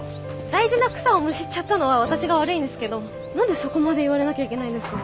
大事な草をむしっちゃったのは私が悪いんですけど何でそこまで言われなきゃいけないんですか。